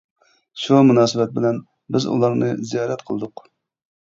شۇ مۇناسىۋەت بىلەن بىز ئۇلارنى زىيارەت قىلدۇق.